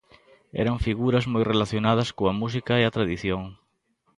Eran figuras moi relacionadas coa música e a tradición.